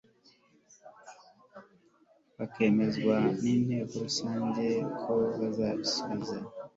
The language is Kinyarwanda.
bakemezwa n inteko rusange ko bazabisubiza